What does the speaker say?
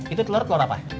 itu telur telur apa